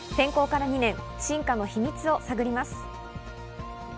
転向から２年、進化の秘密を探ります。